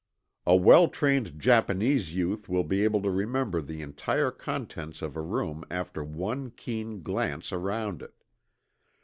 A well trained Japanese youth will be able to remember the entire contents of a room after one keen glance around it.